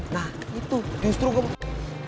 nah itu justru gue mau